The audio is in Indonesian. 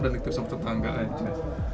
dan dikiris sama tetangga aja